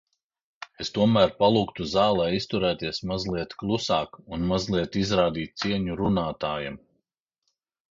Es tomēr palūgtu zālē izturēties mazliet klusāk un mazliet izrādīt cieņu runātājam.